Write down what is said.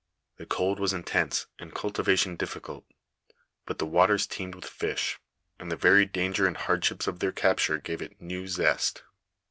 The cold was intense, and cnltivation difficult ; but tli« waters teemed with fish, and the veiy danger and hard8liii)8 of their capture gave it new zest.